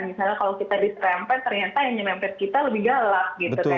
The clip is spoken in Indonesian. misalnya kalau kita disrempet ternyata yang nyemempet kita lebih galap gitu kan